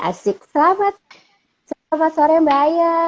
asik selamat selamat sore mbak aya